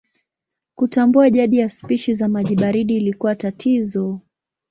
Kutambua jadi ya spishi za maji baridi ilikuwa tatizo.